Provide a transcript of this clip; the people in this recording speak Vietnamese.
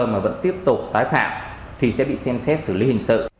mà vẫn tiếp tục tái phạm thì sẽ bị xem xét xử lý hình sự